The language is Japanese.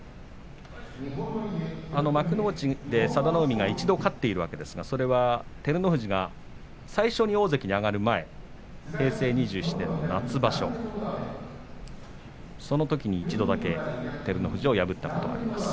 幕内で佐田の海が一度勝っているわけですが、それは照ノ富士が最初に大関に上がる前、平成２７年の夏場所そのときに一度だけ佐田の海は照ノ富士を破ったことがあります。